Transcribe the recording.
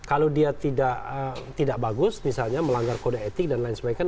kalau dia tidak bagus misalnya melanggar kode etik dan lain sebagainya